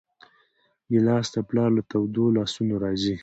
ګیلاس د پلار له تودو لاسونو راځي.